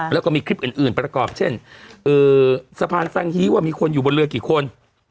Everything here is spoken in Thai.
แล้วก็มีคลิปอื่นประกอบเช่นสะพานสังฮีว่ามีคนอยู่บนเรือกี่คน